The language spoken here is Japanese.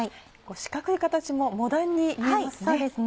四角い形もモダンに見えますね。